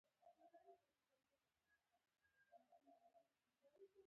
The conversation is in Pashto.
په لومړي میتود کې هڅه کېږي تاریخ پاک کښل شي.